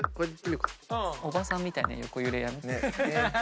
おばさんみたいな横揺れやめて。